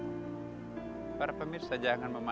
untuk sebagian besar wearing iraq